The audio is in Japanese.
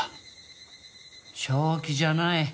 正気じゃない。